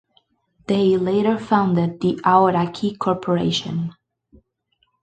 They later founded the Aoraki Corporation.